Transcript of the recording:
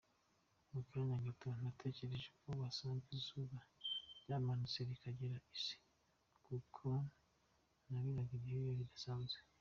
Mu kanya gato natekereje ko wasanga izuba ryamanutse rikegera isi, kuko nabiraga ibyuya bidasanzwe.